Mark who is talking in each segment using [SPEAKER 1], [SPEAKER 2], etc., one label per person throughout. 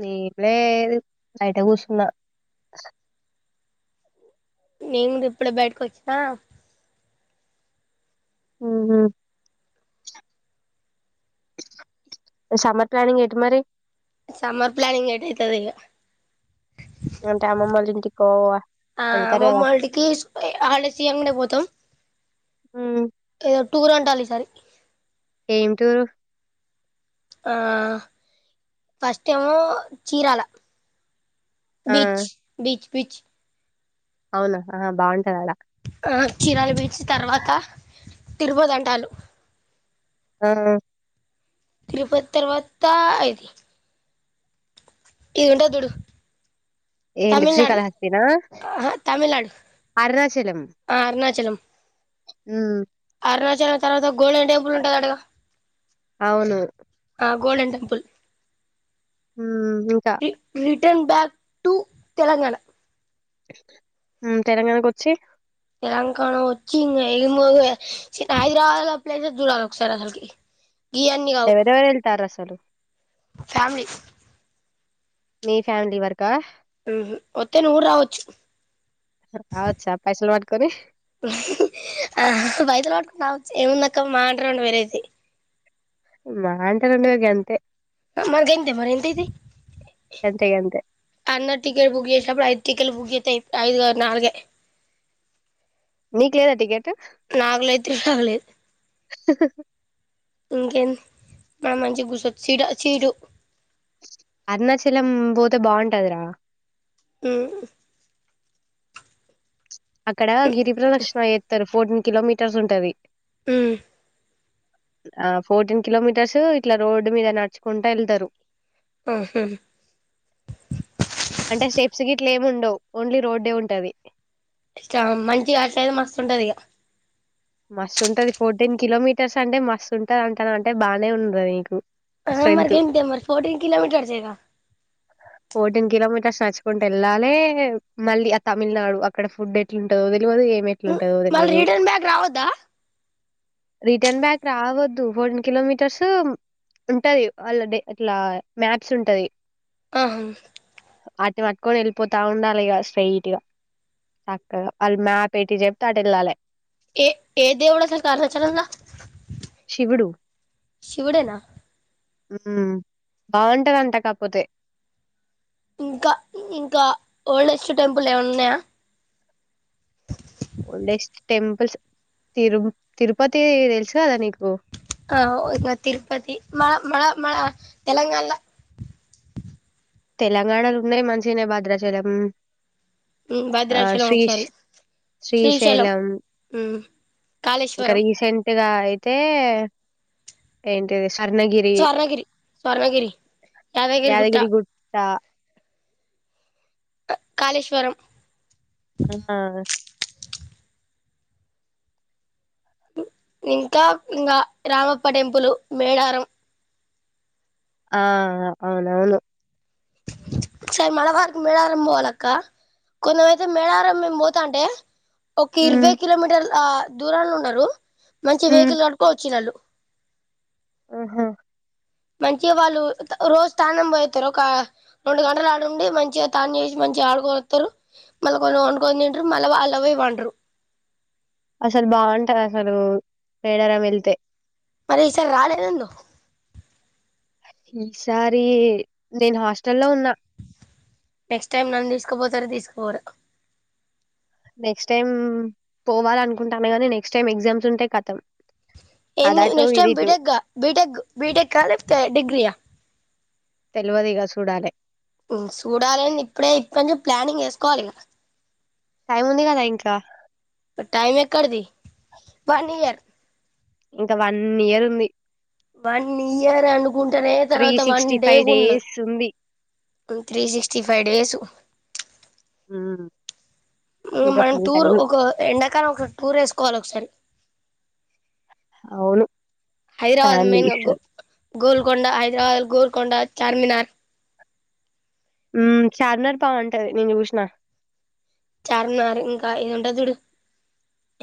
[SPEAKER 1] నీట్లే నైట కూసున్నా
[SPEAKER 2] నేను ఇప్పుడే బయటకి వచ్చినా
[SPEAKER 1] ఆ సమ్మర్ ప్లానింగ్ ఏంటి మరి
[SPEAKER 2] సమ్మర్ ప్లానింగ్ ఇటైతతో ఇక
[SPEAKER 1] అంటే అమ్మమ్మళ్ళ ఇంటికి పోఓ
[SPEAKER 2] ఆ అమ్మమ్మ వాళ్టికి హాలిడేస్ ఇయ్యంగానే పోతాం
[SPEAKER 1] ఉమ్,
[SPEAKER 2] ఏదో టూర్ ఉండాలి ఈ సారి
[SPEAKER 1] ఏమిటూరు
[SPEAKER 2] ఆ ఫస్ట్ ఏమో చీరాల
[SPEAKER 1] ఆ
[SPEAKER 2] బీచ్ బీచ్ బీచ్
[SPEAKER 1] అవునా బాగుంటదాడా
[SPEAKER 2] ఆ చీరాలు బీచ్ తర్వాత తిరుపోదంటలు
[SPEAKER 1] ఆ
[SPEAKER 2] తిరుపతి తర్వాత అయిది ఇదిఉంటాది చూడు
[SPEAKER 1] ఏ
[SPEAKER 2] తమిళనాడు
[SPEAKER 1] శ్రీకాళహస్తతినా
[SPEAKER 2] ఆహా తమిళనాడు
[SPEAKER 1] అరుణాచలం
[SPEAKER 2] ఆ అరుణాచలం
[SPEAKER 1] హు
[SPEAKER 2] అరుణాచలం తర్వాత గోల్డెన్ టెంపుల్ ఉంటది అంట
[SPEAKER 1] అవును
[SPEAKER 2] కదా గోల్డెన్ టెంపుల్
[SPEAKER 1] మ్మ్ ఇంకా
[SPEAKER 2] రి రిటర్న్ బ్యాక్ టు తెలంగాణ
[SPEAKER 1] మ్మ్ తెలంగాణకు వచ్చి
[SPEAKER 2] తెలంగాణ వచ్చి ఇంగ హైదరాబాద్లో ప్లేసెస్ జూడాల ఒక సారి అసలకి గియాన్ని కావు
[SPEAKER 1] ఎవరెవరు వెళ్తారు అసలు
[SPEAKER 2] ఫ్యామిలీ
[SPEAKER 1] మీ ఫ్యామిలీ వర్కు
[SPEAKER 2] వత్తే నువ్వు రావచ్చు
[SPEAKER 1] కనీ
[SPEAKER 2] ఆ పైసలు పట్టుకుని రావచ్చు ఏమున్నాక్క మా అంట రండు వేలయితయి
[SPEAKER 1] మా అంట రం [unintelligible] వగ అంతే
[SPEAKER 2] మర్గా ఎంత మరి ఎంత అయితయి
[SPEAKER 1] గంతే గంతే
[SPEAKER 2] అన్న టికెట్ బుక్ చేసినప్పుడు [unintelligible] టికెట్ లు బుక్ చెత్తే ఐదు కాదు నాల్గే
[SPEAKER 1] మీకు లేదా టికెట్
[SPEAKER 2] నాగు లైతే రాలేదు.
[SPEAKER 1] హ హ
[SPEAKER 2] ఇంకేంది మ మంచి గుసత్ చిడ సీటు
[SPEAKER 1] అరుణాచలం పోతే బాగుంటదిరా
[SPEAKER 2] హ్మ్
[SPEAKER 1] అక్కడ గిరిప్రదక్షణ చేత్తరు. ఫోర్టీన్ కిలోమీటర్స్ ఉంటది,
[SPEAKER 2] హ్మ్
[SPEAKER 1] ఆ ఫోర్టీన్ కిలోమీటర్స్ ఇట్లా రోడ్ మీద నడుచుకుంటా వెళ్తరు.
[SPEAKER 2] మ్మ్ హు
[SPEAKER 1] అంటే స్టెప్స్ గిట్ల ఏముండ వ్ ఓన్లీ రోడ్డె ఉంటది.
[SPEAKER 2] ఇష్టా మంచిగ అటుసైడ్ మస్త్ ఉంటది ఇగ
[SPEAKER 1] మస్తు ఉంటది ఫోర్టీన్ కిలోమీటర్స్ అంటే మస్తు ఉంటది అంటనవ్ అంటే బాగానే ఉన్నది నీకు
[SPEAKER 2] ఆహా
[SPEAKER 1] స్ట్రెంత్
[SPEAKER 2] గింతేమరి ఫోర్టీన్ కిలోమీటర్స్ ఏగా
[SPEAKER 1] ఫోర్టీన్ కిలోమీటర్స్ నడుచ్చుకుంటూ వెళ్ళాలె మళ్ళీ ఆ తమిళనాడు అక్కడ ఫుడ్ ఎట్లుంటందో తెల్వదు ఏమి ఎట్లుంటదో
[SPEAKER 2] మళ్
[SPEAKER 1] తెలవదు
[SPEAKER 2] రిటర్న్ బ్యాక్ రావద్దా
[SPEAKER 1] రిటర్న్ బ్యాక్ రావద్దు ఫోర్టీన్ కిలోమీటర్స్ ఉంటది వాళ్ళది అట్లా మ్యాప్స్ ఉంటది.
[SPEAKER 2] ఆహా
[SPEAKER 1] ఆటిని వట్టుకొని వెళ్ళిపోతా ఉండాలె ఇగా స్ట్రైట్ గా సక్కగా వాళ్ళు మ్యాప్ ఎటు చెప్తే అటు వెళ్ళాలె.
[SPEAKER 2] ఏ ఏ దేవుడు అసలుకు అరుణాచలంలా
[SPEAKER 1] శివుడు
[SPEAKER 2] శివుడే నా
[SPEAKER 1] హ్మ్ బావుంటాదంట కాక్పోతే
[SPEAKER 2] ఇంకా ఇంకా ఓల్డ్ఎస్ట్ టెంపుల్ ఏమన్నా ఉన్నాయా
[SPEAKER 1] ఓల్డెస్ట్ టెంపుల్స్ తిరు తిరుపతి తెలుసు కదా నీకు
[SPEAKER 2] కా ఓ ఇంగ తిరుపతి మ మళ మన తెలంగాణ ల
[SPEAKER 1] తెలంగాణలో ఉన్నాయి మంచిగనే భద్రాచలం
[SPEAKER 2] హ్మ్
[SPEAKER 1] ఆ
[SPEAKER 2] భద్రాచలం
[SPEAKER 1] శ్రీ
[SPEAKER 2] ఒకసారి శ్రీశైలం మ్మ్
[SPEAKER 1] ఇంకా రీసెంట్గా అయ్ టే [unintelligible] అర్నగిరి
[SPEAKER 2] స్వర్ణగిరి స్వర్ణగిరి యాదగిరిగుట్ట
[SPEAKER 1] యాదగిరి గుట్ట
[SPEAKER 2] క కాళేశ్వరం
[SPEAKER 1] ఆహా
[SPEAKER 2] ఇంకా ఇంకా రామప్ప టెంపులు మేడారం
[SPEAKER 1] ఆ అవునవును
[SPEAKER 2] సరే మళవారిక్ మేళారం పోవాలక్క కొంచమయితే మేళారం మేము పోతాంటే ఓకే
[SPEAKER 1] ఉమ్
[SPEAKER 2] ఇరవై కిలోమీటర్లా దూరాల్లో ఉన్నారు మంచి
[SPEAKER 1] ఉమ్
[SPEAKER 2] వెహికల్ కట్టుకో వచ్చినాల్లు
[SPEAKER 1] ఆహా
[SPEAKER 2] మంచిగా వాళ్ళు రోజు స్థాన్నంపోయ్తారు ఒక రెండు గంటలకు ఆడుండి మంచిగా తాన్ని చేసి మంచిగా ఆడుకోవస్తారు మళ్ళకోళ్లు వండుకొని తింటారు, మళ్ళ అలపోయ్ పంన్ట్రూ
[SPEAKER 1] అసలు బాగుంటదసలు మేడారం వెళ్తే
[SPEAKER 2] సరే ఈసారి రాలేదేందుక్
[SPEAKER 1] ఈసారి నేను హాస్టల్ లో ఉన్నా
[SPEAKER 2] నెక్స్ట్ టైమ్ నన్ను తీస్కుపోతారో తీసుక్పోరో
[SPEAKER 1] నెక్స్ట్ టైం పోవాల అనుకుంటా గానీ నెక్స్ట్ టైం ఎగ్జామ్స్ ఉంటే కతం
[SPEAKER 2] ఎంద్
[SPEAKER 1] అదటు
[SPEAKER 2] నెక్స్ట్ టై
[SPEAKER 1] ఇది ఇటు
[SPEAKER 2] బీటెక్గా బీటేగ్ బీటెక లేకపోతే డిగ్రియ
[SPEAKER 1] తెల్వదిక చూడాలి
[SPEAKER 2] పు చూడాలేన్ద్ ఇప్పుడే [unintelligible] ప్లానింగ్ వేసుకోవాలి గదా
[SPEAKER 1] టైం ఉంది కదా ఇంట్లో
[SPEAKER 2] టైం ఎక్కడిది వన్ ఇయర్
[SPEAKER 1] ఇంకా వన్ ఇయర్ ఉంది
[SPEAKER 2] వన్ ఇయర్ అను ఉంటేనే
[SPEAKER 1] త్రీ
[SPEAKER 2] తర్వాత వన్
[SPEAKER 1] సిక్స్టీ
[SPEAKER 2] డే
[SPEAKER 1] ఫైవ్
[SPEAKER 2] ఉండదు
[SPEAKER 1] డేస్ ఉంది
[SPEAKER 2] త్రీ సిక్స్టీ ఫైవ్ డేస్
[SPEAKER 1] ఉమ్ ఇంకా
[SPEAKER 2] మనం
[SPEAKER 1] ఫుల్
[SPEAKER 2] టూర్
[SPEAKER 1] టైం
[SPEAKER 2] ఒక ఎండాకాలం ఒక టూర్ ఏసుకోవాలి ఒకసారి
[SPEAKER 1] అవును
[SPEAKER 2] హైదరాబాద్ మెయిన్ గా
[SPEAKER 1] ఫ్యామిలీస్
[SPEAKER 2] గో గోల్కొండ హైదరాబాద్ గోల్కొండ చార్మినార్
[SPEAKER 1] ఉమ్ చార్మినార్ బావుంటది నేను చూసిన
[SPEAKER 2] చార్మినార్ ఇంక ఇది ఉంటది చుడు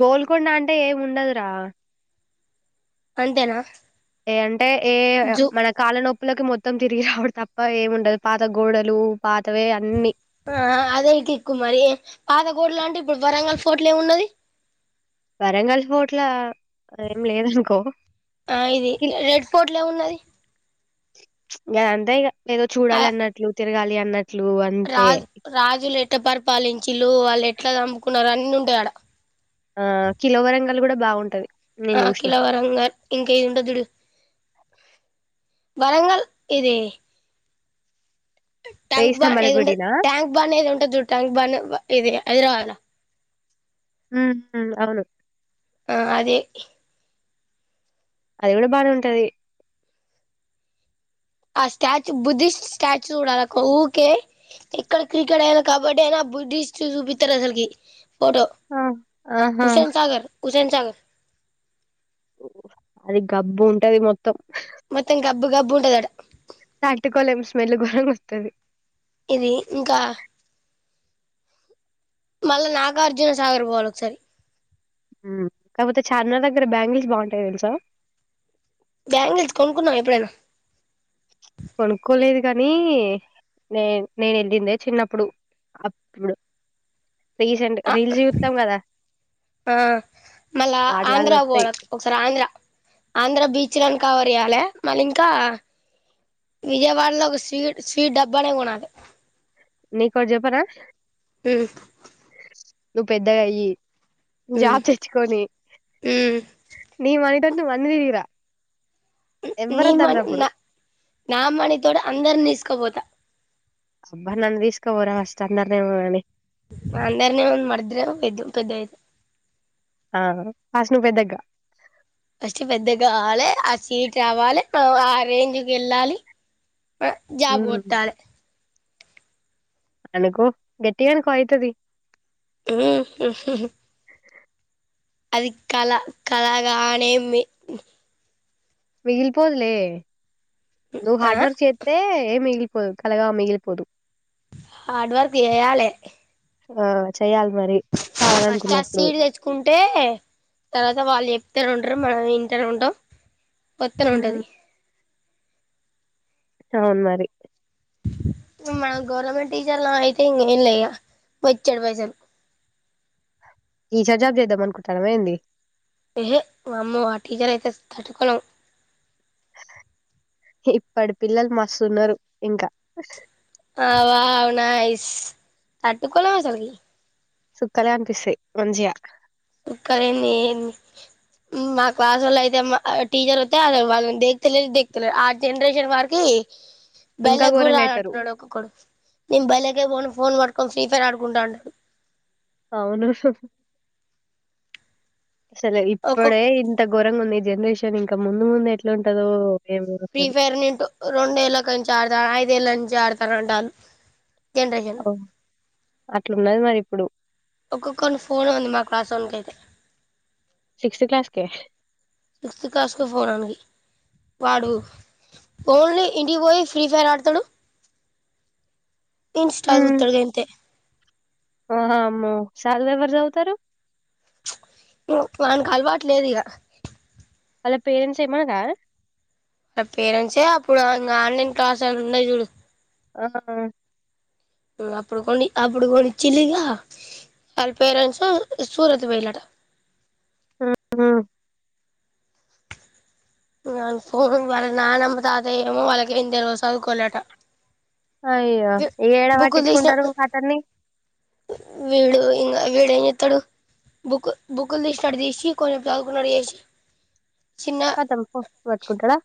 [SPEAKER 1] గోల్కొండ అంటే ఏమి ఉండదురా
[SPEAKER 2] అంతేనా
[SPEAKER 1] ఏ అంటే ఏ
[SPEAKER 2] జూ
[SPEAKER 1] మన కాల నొప్పి లకు మొత్తం తిరిగి రావుడు తప్ప ఏముండదు పాత గోడలు పాతవే అన్నీ
[SPEAKER 2] ఆ అదే కిక్కు మరి పాత గోడలంటే ఇప్పుడు వరంగల్ ఫోర్ట్ లో ఏమున్నది
[SPEAKER 1] వరంగల్ పోర్ట్ ల ఏం లేదనుకో
[SPEAKER 2] ఆ ఇది రెడ్ ఫోర్ట్ లో ఏమున్నది
[SPEAKER 1] ఆ అంతే ఇగ ఏదో చూడాలన్నట్లు తిరగాలి అన్న
[SPEAKER 2] రాజ్ రాజుల ఎట్ ఎట్ల పరిపాలించిళ్ళు వాళ్ళు ఎట్లా చంపుకున్నారు అన్ని ఉంటాయి ఆడ
[SPEAKER 1] ఆ కిలో వరంగలు కూడా బాగుంటది నేను
[SPEAKER 2] ఆ
[SPEAKER 1] చూసిన
[SPEAKER 2] ఖిలా వరంగల్ ఇంకా ఇదింటది చుడు వరంగల్ ఇది
[SPEAKER 1] వేయి
[SPEAKER 2] ట్యాంక్ బాన్
[SPEAKER 1] స్తంభాల
[SPEAKER 2] ఏది ఉంటదు
[SPEAKER 1] గుడినా
[SPEAKER 2] ట్యాంక్ బాన్ ఏది ఉంటది ట్యాంక్ బాన్ ఇది హైదరాబాద్ ల
[SPEAKER 1] హు హుమ్ అవును
[SPEAKER 2] ఆ అదే
[SPEAKER 1] అది కూడా బానే ఉంటది
[SPEAKER 2] ఆ స్టాచ్యూ బుద్ధిస్ట్ స్టాచ్యూ చూడాల అక్క ఊకే ఎక్కడ క్రికెట్ అయినా కబడ్డీ అయినా బుద్ధిస్ట్ చూపిస్తారు అసలకి ఫోటో
[SPEAKER 1] ఆ ఆహా
[SPEAKER 2] హుసేన్ సాగర్ ఉసేన్ సాగర్
[SPEAKER 1] అది గబ్బు ఉంటది మొత్తం
[SPEAKER 2] మొత్తం గబ్బు గబ్బు ఉంటది ఆడా
[SPEAKER 1] తట్టుకోలేం స్మెల్ గోరం గ వస్తది
[SPEAKER 2] ఇది ఇంకా మళ్ళా నాగార్జున సాగర్ పోవాల ఒకసారి
[SPEAKER 1] ఉమ్ కాకపోతే చార్మినార్ దగ్గర బ్యాంగిల్స్ బాగుంటాయి తెలుసా
[SPEAKER 2] బ్యాంగిల్స్ కొనుకున్నావ ఎప్పుడైనా
[SPEAKER 1] కొనుక్కోలేదు కానీ నే నేను వెళ్ళందే చిన్నప్పుడు అప్పుడు రీసెంట్ రీల్స్ చూస్తాం కదా
[SPEAKER 2] ఆ మళ్ళా
[SPEAKER 1] వాటిలల్ల
[SPEAKER 2] ఆంధ్ర
[SPEAKER 1] వస్తాయి
[SPEAKER 2] పోాలి ఒకసారి ఆంధ్ర ఆంధ్ర బీచ్ లోని కవర్ చేయ్యాలి మళ్ళీ ఇంకా విజయవాడలో ఒక స్వీ స్వీట్ డబ్బు అనే కొది
[SPEAKER 1] నీకు ఒకటి చెస్స చెప్పనా
[SPEAKER 2] మ్మ్
[SPEAKER 1] నువ్వు పెద్ద అయ్యి
[SPEAKER 2] మ్మ్
[SPEAKER 1] జాబ్ తెచ్చుకొని
[SPEAKER 2] మ్మ్
[SPEAKER 1] నీ వైట్ ఎందుకు అన్ని వందిరా
[SPEAKER 2] నీ మణి నా నా మణితోోడు అందరుని తీసుకోపోతా
[SPEAKER 1] అబ్బా నన్న తీస్క పోరా అస్ అందర న ఉని
[SPEAKER 2] అందరినే వంద మన రిద్దరం పోదాం పెద్ద పెద్దయితు
[SPEAKER 1] ఆ ఫస్ హసినీ పెద్ద అక్క
[SPEAKER 2] ఫస్ట్ పెద్ద కావాలి ఆ సీట్ రావాలి ఆ అరేంజ్కి వెళ్ళాలి జాబ్
[SPEAKER 1] మ్మ్
[SPEAKER 2] కోట్టాలే
[SPEAKER 1] అనుకో గట్టి అనుకో అయితది
[SPEAKER 2] ఉమ్ ఉహు ఉహు అది కళ కలాగానే
[SPEAKER 1] మిగిలి పోదులే నువ్
[SPEAKER 2] ఆ
[SPEAKER 1] హార్డ్ వర్క్ చేతే ఏం కలగా మిగిలిపోదు
[SPEAKER 2] హార్డ్ వర్క్ చేయాలే
[SPEAKER 1] ఆ చెయ్యాలి మరి
[SPEAKER 2] ఫస్ట్ ఆ
[SPEAKER 1] కావాలనుకున్నప్పుడు
[SPEAKER 2] సీటు తెచ్చుకుంటే తర్వాత వాళ్ళు చెప్త ఉండరు మనం వింట ఉంటామ్ పొత్తన
[SPEAKER 1] ఉమ్,
[SPEAKER 2] ఉంటది
[SPEAKER 1] అవున్ మరి
[SPEAKER 2] మనం గవర్నమెంట్ టీచర్లు అయితే ఇంకేం లేక బొచ్చెడు పైసలు
[SPEAKER 1] టీచర్ జాబ్ చేద్దాం అనుకుంటన్నవ ఏంది
[SPEAKER 2] యెహె అమ్మో ఆ టీచర్ అయితే తట్టుకోలేము
[SPEAKER 1] ఇప్పటి పిల్లలు మస్తున్నారు ఇంకా
[SPEAKER 2] అ వావ్ నైస్ తట్టుకోలేం అసాలకి
[SPEAKER 1] సుక్కలంపిసే మంచిగా
[SPEAKER 2] క్కరే న మా క్లాస్ వాళ్ళ అయితే టీచర్ వతే అ వాళ్ళని దేకు తెలేదు దక్తు ఆ జనరేషన్ వారికి బెల్
[SPEAKER 1] ఇంకా
[SPEAKER 2] గు కూడా
[SPEAKER 1] ఘోరంగా
[SPEAKER 2] ఆడట
[SPEAKER 1] అయితారు
[SPEAKER 2] నోడక కొడు నిం బల్కి ఫోన్ మడుకం ఫ్రీఫైర్ ఆడుకుంటాడు
[SPEAKER 1] అవును సలే
[SPEAKER 2] ఒక్కొ
[SPEAKER 1] ఇప్పుడే ఇంత ఘోరంగా ఉంది జనరేషన్ ఇంకా ముందు ముందు ఎట్లుంటదో
[SPEAKER 2] ఫ్రీ ఫైర్ నింటటు రెండ ఎలాంచంచి ఆడుతండ్ ఇదేలానించి ఆడతాన అంటను జనరేషన్
[SPEAKER 1] ఓహ్! అట్లున్నది మరి ఇప్పుడు
[SPEAKER 2] ఒక్కొక్కని ఫోనుంది, మా క్లాసోనిక్ అయితే
[SPEAKER 1] సిక్స్త్ క్లాస్‌కే?
[SPEAKER 2] సిక్స్త్ క్లాస్ కు ఫోనున్నది. వాడు, ఓన్లీ ఇంటియ్ పోయి ఫ్రీ ఫైర్ ఆడతడు, ఇన్స్టా చూత్తడు గంతే
[SPEAKER 1] వామ్మో సధువు ఎవరు చవుతరు.
[SPEAKER 2] వాన్కి అలవాట్ లేదు ఇగ
[SPEAKER 1] వాల పేరెంట్స్ ఏమనర
[SPEAKER 2] పేరెంట్సే అప్పుడు ఇంగ ఆన్లైన్ క్లాసెస్ ఉన్నయ్ చూడు
[SPEAKER 1] అహా
[SPEAKER 2] ఇంగ అప్పుడు కొని అప్పుడు కొన్ని చ్చిల్లింగా వాల్ పేరెంట్సు సూరత్ పొయిలట
[SPEAKER 1] హ్మ్ హ్ము
[SPEAKER 2] ఇంగాన్ ఫోను వాళ్ళ నానమ్మ, తాతయ్య ఏమో వాళ్ళకెంద్ దెల్వద్ సదుక్కోలేట
[SPEAKER 1] అయ్యో, ఏడా వట్టించుకుంటారు అతన్ని
[SPEAKER 2] వీడు ఇంగా వీడేం చెత్తడు, బుక్ బుక్కుల్ తీసినటు తీసి కొన్ని చదువుకున్నట్ చేసి చిన,
[SPEAKER 1] ఖతం పో పట్టుకుంటాడా?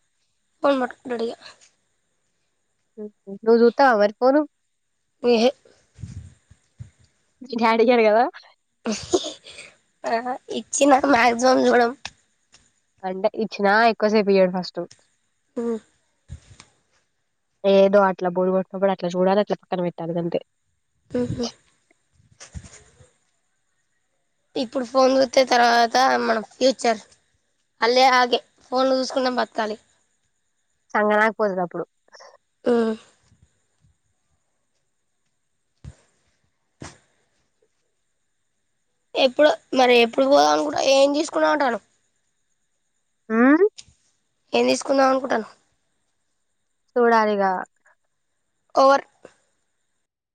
[SPEAKER 2] పోన్ మాట్ల డిగ
[SPEAKER 1] నువ్ జుత్తవ వరి కోను
[SPEAKER 2] ఎహె
[SPEAKER 1] గాడికడ కదా
[SPEAKER 2] ఆ ఇచ్చినా మాక్సిమం చూడం
[SPEAKER 1] అంటే ఇచ్చినా ఎక్కువసేపు ఇయ్యడు ఫస్ట్
[SPEAKER 2] ఉ
[SPEAKER 1] ఏదో అట్లా బోర్ కొట్టినప్పుడు అట్లా చూడాలె అట్ల పక్కన పెట్టాలి దంతే
[SPEAKER 2] ఇప్పుడు ఫోన్ చూత్తే తర్వాత మనం ఫ్యూచర్, అళ్ళే ఆగే ఫోన్లు చూసుకున్నం బతకాలి
[SPEAKER 1] సంగణకుపోతు అప్పుడు
[SPEAKER 2] హు ఆ ఎప్పుడు మరి ఎప్పుడు పోదాం అనుకుంటా ఏం తీసుకున్నాం అంటారు.
[SPEAKER 1] ఉ
[SPEAKER 2] ఏం తీసుకుందాం అనుకుంటనవ్
[SPEAKER 1] చూడాలిగా
[SPEAKER 2] ఓర్